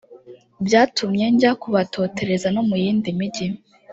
byatumye njya kubatotereza no mu yindi migi